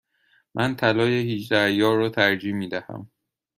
من طلای هجده عیار را ترجیح می دهم.